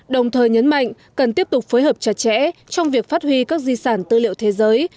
đồng thời nhấn mạnh cần tiếp tục phối hợp chặt chẽ trong việc phát huy các di sản tư liệu thế giới